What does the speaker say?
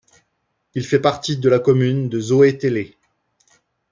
Il fait partie de la commune de Zoétélé.